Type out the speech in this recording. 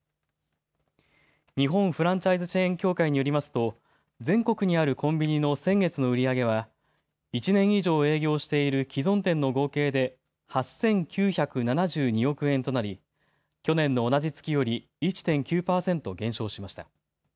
日本フランチャイズチェーン協会によりますと、全国にあるコンビニの先月の売り上げは、１年以上営業している既存店の合計で、８９７２億円となり、去年の同じ月より１．９％減少しました。